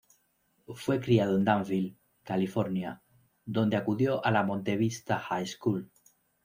Fue criado en Danville, California, donde acudió a la Monte Vista High School.